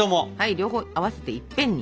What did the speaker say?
両方合わせていっぺんに！